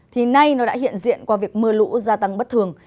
thì nay nó đã hiện diện qua việc mưa lũ gia tăng bất thường